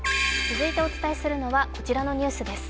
続いてお伝えするのはこちらのニュースです。